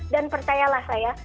dan percayalah saya